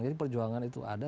jadi perjuangan itu ada